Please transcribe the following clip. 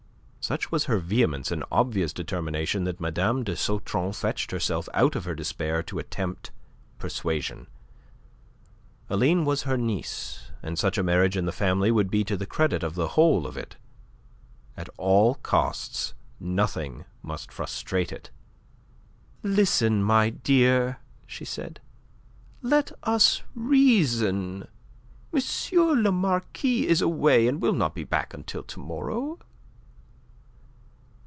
Such was her vehemence and obvious determination that Mme. de Sautron fetched herself out of her despair to attempt persuasion. Aline was her niece, and such a marriage in the family would be to the credit of the whole of it. At all costs nothing must frustrate it. "Listen, my dear," she said. "Let us reason. M. le Marquis is away and will not be back until to morrow."